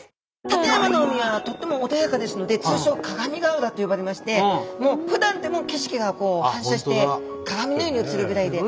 館山の海はとっても穏やかですので通称「鏡ヶ浦」と呼ばれましてふだんでも景色が反射して鏡のように映るぐらいで。